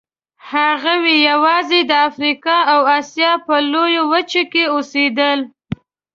هغوی یواځې د افریقا او اسیا په لویو وچو کې اوسېدل.